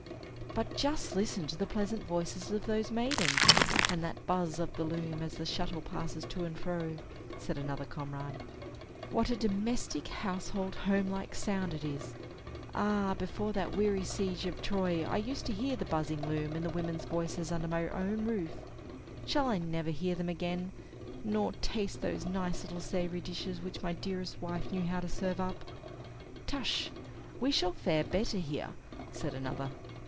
"But just listen to the pleasant voices of those maidens, and that buzz of the loom, as the shuttle passes to and fro," said another comrade. "What a domestic, household, home like sound it is! Ah, before that weary siege of Troy, I used to hear the buzzing loom and the women's voices under my own roof. Shall I never hear them again? nor taste those nice little savory dishes which my dearest wife knew how to serve up?" "Tush! we shall fare better here," said another.